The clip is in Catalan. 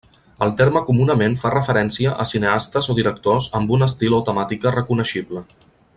El terme comunament fa referència a cineastes o directors amb un estil o temàtica reconeixible.